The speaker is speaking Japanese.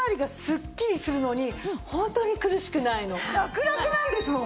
しかもさラクラクなんですもん！